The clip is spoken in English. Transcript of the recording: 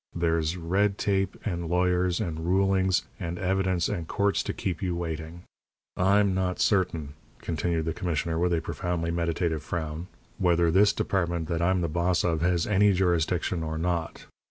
There's red tape and lawyers and rulings and evidence and courts to keep you waiting. I'm not certain," continued the commissioner, with a profoundly meditative frown, "whether this department that I'm the boss of has any jurisdiction or not.